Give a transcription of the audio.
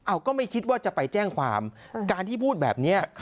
เอาก็ไม่คิดว่าจะไปแจ้งความการที่พูดแบบนี้